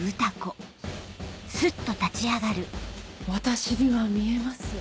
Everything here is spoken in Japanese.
私には見えます。